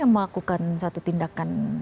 yang melakukan suatu tindakan